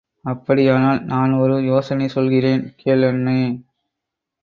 அப்படியானால் நான் ஒரு யோசனை சொல்கிறேன், கேள் அண்ணே!